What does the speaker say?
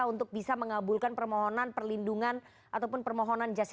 untuk bisa mengabulkan permohonan perlindungan ataupun permohonan jasa